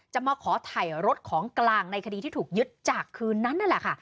มาขอถ่ายรถของกลางในคดีที่ถูกยึดจากคืนนั้นนั่นแหละค่ะ